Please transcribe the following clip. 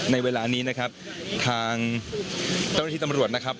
ในเวลานี้นะครับทางเจ้าหน้าที่ตำรวจนะครับ